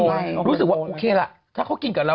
แล้วตอนนี้ย่ะ